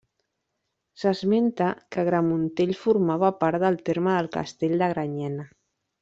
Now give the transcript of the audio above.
S'esmenta que Gramuntell formava part del terme del castell de Granyena.